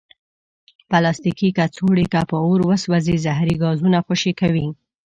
پلاستيکي کڅوړې که په اور وسوځي، زهري ګازونه خوشې کوي.